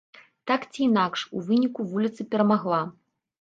Так ці інакш, у выніку вуліца перамагла.